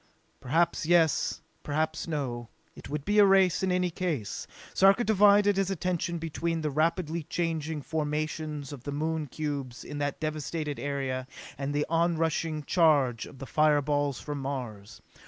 Perhaps yes, perhaps no. It would be a race, in any case. Sarka divided his attention between the rapidly changing formations of the Moon cubes in that devasted area and the onrushing charge of the fire balls from Mars.